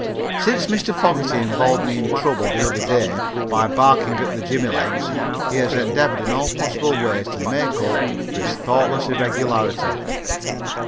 Since Mr. Fogerty involved me in trouble the other day by barking at the Jimmy legs he has endeavored in all possible ways to make up for his thoughtless irregularity.